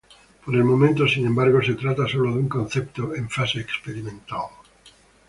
Por el momento sin embargo se trata sólo de un concepto en fase experimental.